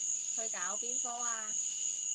佢搞邊科啊？